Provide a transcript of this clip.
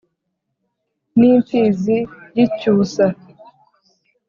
N' imfizi y' icyusa,